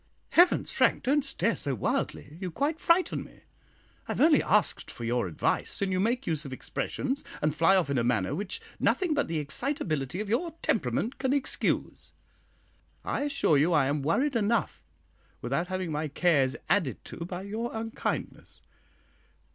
"Heavens, Frank, don't stare so wildly you quite frighten me! I have only asked for your advice, and you make use of expressions and fly off in a manner which nothing but the excitability of your temperament can excuse. I assure you I am worried enough without having my cares added to by your unkindness.